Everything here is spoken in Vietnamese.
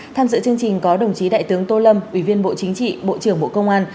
tham dự chương trình có đồng chí đại tướng tô lâm ủy viên bộ chính trị bộ trưởng bộ công an